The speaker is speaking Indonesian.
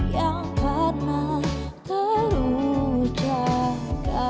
yang pernah terucapkan